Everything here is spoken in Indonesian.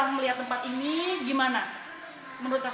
terus melistam melihat tempat ini gimana menurut kakak